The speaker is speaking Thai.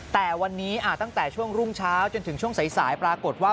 แต่วันนี้ตั้งแต่ช่วงรุ่งเช้าจนถึงช่วงสายปรากฏว่า